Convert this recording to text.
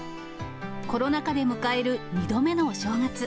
コロナ禍で迎える２度目のお正月。